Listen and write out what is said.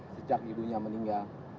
sejak ibunya meninggal